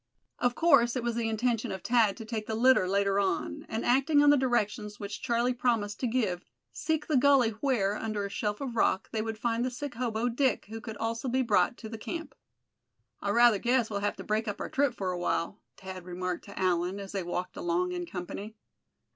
Of course it was the intention of Thad to take the litter later on, and acting on the directions which Charlie promised to give, seek the gully where, under a shelf of rock, they would find the sick hobo, Dick, who could also be brought to the camp. "I rather guess we'll have to break up our trip for a while," Thad remarked to Allan, as they walked along in company.